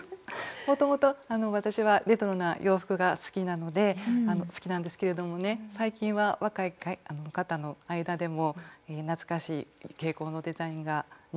もともと私はレトロな洋服が好きなので好きなんですけれどもね最近は若い方の間でも懐かしい傾向のデザインが人気ですよね。